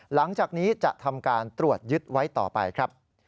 หลังจากนี้จะทำการตรวจยึดไว้ต่อไปครับ